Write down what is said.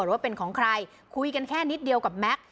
ว่าเป็นของใครคุยกันแค่นิดเดียวกับแม็กซ์